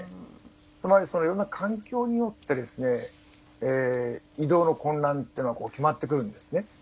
つまりいろんな環境によって移動の困難というのは決まってくるんですね。